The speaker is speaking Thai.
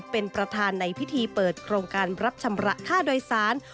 เป็นประธานในพิธีเปิดโครงการรับชำระค่าโดยสาร